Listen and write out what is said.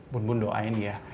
bun bun doain ya